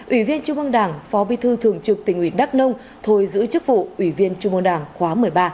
ủy viên trung ương đảng phó bí thư thường trực tỉnh ủy đắk nông thôi giữ chức vụ ủy viên trung ương đảng khóa một mươi ba